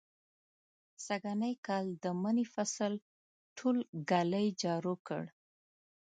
سږنی کال د مني فصل ټول ږلۍ جارو کړ.